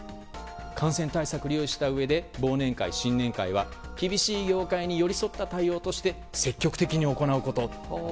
感染対策に留意したうえで忘年会、新年会は厳しい業界に寄り添った対応として積極的に行うこと。